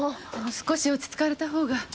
少し落ち着かれたほうが。